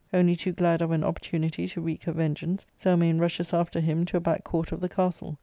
Only too glad of an opportunity to wreak her vengeance, Zelmane rushes after him to a back court of the castle.